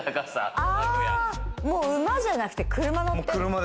もう馬じゃなくて車乗ってる。